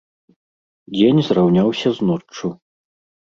Дзень зраўняўся з ноччу.